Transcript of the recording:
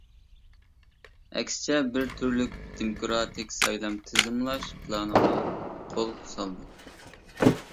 ئەكسىچە بىر تۈرلۈك دېموكراتىك سايلام تىزىملاش پىلانىغا قول سالدى.